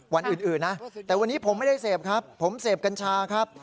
วันอื่นนะแต่วันนี้ผมไม่ได้เสพครับผมเสพกัญชาครับ